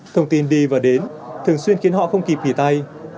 thông tin đi và đến thường xuyên khiến họ không kịp nghỉ tay